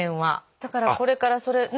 だからこれからそれね